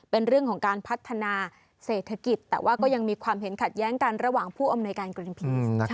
เป็นเรื่องของการพัฒนาเศรษฐกิจแต่ว่าก็ยังมีความเห็นขัดแย้งกันระหว่างผู้อำนวยการกรมพิน